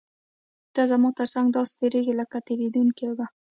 ته زما تر څنګ داسې تېرېږې لکه تېرېدونکې اوبه.